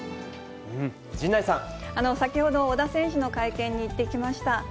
先ほど、小田選手の会見に行ってきました。